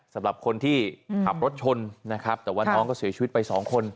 สำหรับคนที่ขับรถชนนะครับแต่ว่าน้องก็เสียชีวิตไปสองคน